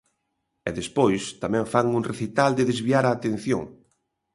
E despois tamén fan un recital de desviar a atención.